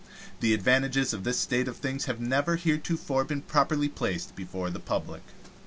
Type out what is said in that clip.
The advantages of this state of things have never heretofore been properly placed before the public.